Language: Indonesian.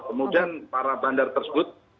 kemudian para bandar tersebut